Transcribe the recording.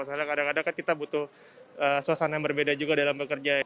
soalnya kadang kadang kan kita butuh suasana yang berbeda juga dalam bekerja